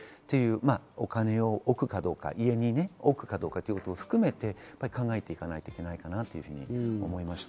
お金を置くかどうか、家に置くかどうかも含めて考えていかなきゃいけないなと思いました。